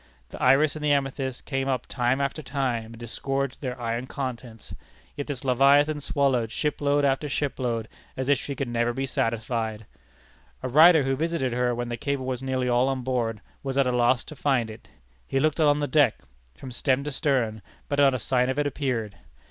The Iris and the Amethyst came up time after time and disgorged their iron contents. Yet this leviathan swallowed ship load after ship load, as if she could never be satisfied. A writer who visited her when the cable was nearly all on board, was at a loss to find it. He looked along the deck, from stem to stern, but not a sign of it appeared.